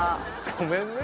ごめんね